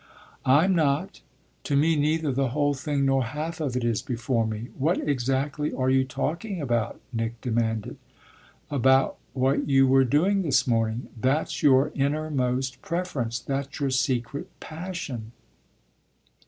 "I'm not to me neither the whole thing nor half of it is before me. What exactly are you talking about?" Nick demanded. "About what you were doing this morning. That's your innermost preference, that's your secret passion."